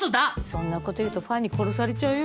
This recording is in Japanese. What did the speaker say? そんな事言うとファンに殺されちゃうよ。